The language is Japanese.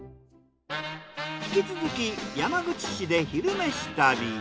引き続き山口市で「昼めし旅」。